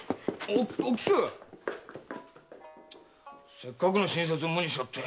せっかくの親切を無にしおって。